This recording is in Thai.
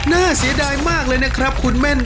น่าเสียดายมากเลยนะครับคุณแม่น